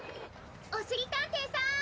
おしりたんていさん！